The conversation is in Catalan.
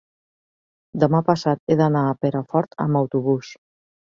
demà passat he d'anar a Perafort amb autobús.